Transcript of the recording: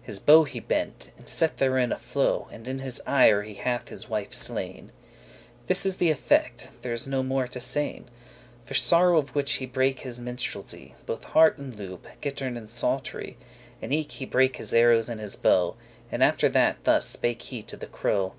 His bow he bent, and set therein a flo,* *arrow And in his ire he hath his wife slain; This is th' effect, there is no more to sayn. For sorrow of which he brake his minstrelsy, Both harp and lute, gitern* and psaltery; *guitar And eke he brake his arrows and his bow; And after that thus spake he to the crow.